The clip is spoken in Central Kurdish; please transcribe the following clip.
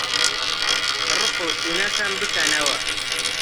ڕقوکینە کەمبکەنەوە